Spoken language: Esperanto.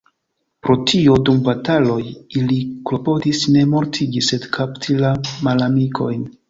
Pro tio dum bataloj ili klopodis ne mortigi, sed kapti la malamikojn.